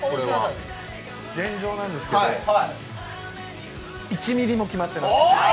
現状なんですけど、１ミリも決まってません。